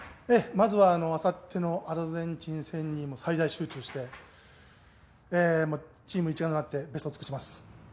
まずはあさってのアルゼンチン戦に最大集中してチーム一丸となって、ベストを尽くします。